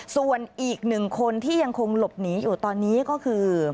ส่วนอีกหนึ่งคนที่ยังคงหลบหนีอยู่ตอนนี้ก็คือ